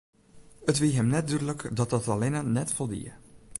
It wie him dúdlik dat dat allinne net foldie.